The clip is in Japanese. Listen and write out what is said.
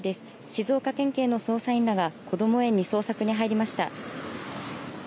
静岡県警の捜査員らがこども園に捜索に入りました。